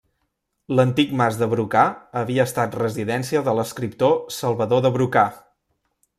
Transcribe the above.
L'antic mas de Brocà havia estat residència de l'escriptor Salvador de Brocà.